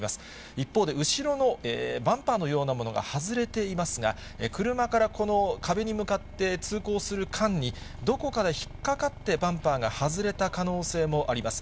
一方で、後ろのバンパーのようなものが外れていますが、車からこの壁に向かって通行する間に、どこかで引っ掛かってバンパーが外れた可能性もあります。